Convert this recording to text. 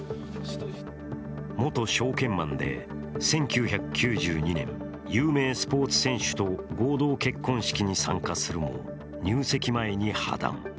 元証券マンで、１９９２年、有名スポーツ選手と合同結婚式に参加するも、入籍前に破断。